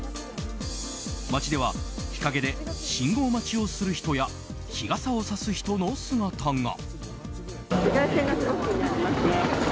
街では日陰で信号待ちをする人や日傘をさす人の姿が。